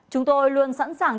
chúng tôi luôn sẵn sàng